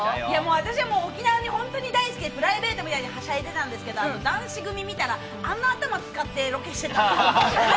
私は沖縄大好きでプライベートのように、はしゃいでたんですけど、男子組見たら、あんな頭使ってロケしてたんだって。